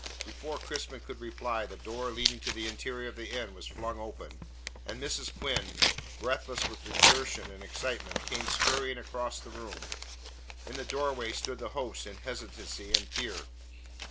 Before Crispin could reply, the door leading to the interior of the inn was flung open, and Mrs. Quinn, breathless with exertion and excitement, came scurrying across the room. In the doorway stood the host in hesitancy and fear.